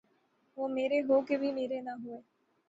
وہ مرے ہو کے بھی مرے نہ ہوئے